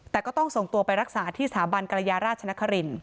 แต่ก็ต้องส่งตัวไปรักษาที่สถาบันกรยาราชนคริน